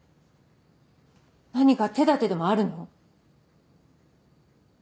何か手立てでもあるの？